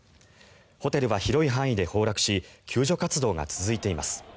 ホテルは広い範囲で崩落し救助活動が続いています。